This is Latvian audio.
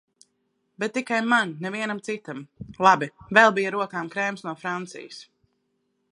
Bet tikai man, nevienam citam. Labi. Vēl bija rokām krēms no Francijas.